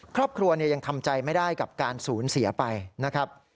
ครอบครัวยังทำใจไม่ได้กับการสูญเสียไปนะครับ